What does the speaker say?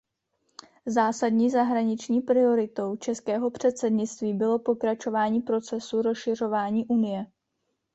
Zásadní zahraniční prioritou českého předsednictví bylo pokračování procesu rozšiřování Unie.